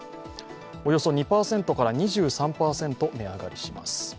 およそ２％から２３％値上がりします。